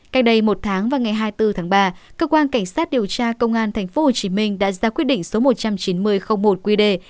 cách đây một tháng vào ngày hai mươi bốn tháng ba cơ quan cảnh sát điều tra công an tp hcm đã ra quyết định số một trăm chín mươi một qd